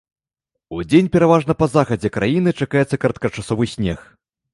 Удзень пераважна па захадзе краіны чакаецца кароткачасовы снег.